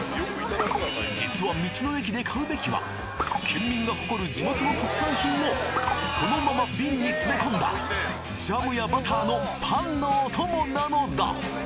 実は道の駅で買うべきは県民が誇る地元の特産品をそのままビンに詰め込んだジャムやバターのパンのお供なのだ！